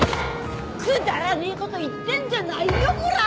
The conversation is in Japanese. くだらねえこと言ってんじゃないよこ